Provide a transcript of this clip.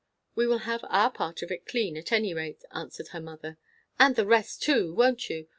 "We will have our part of it clean, at any rate," answered her mother. "And the rest too, won't you?